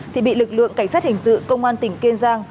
thì bị lực lượng cảnh sát hình sự công an tỉnh kiên giang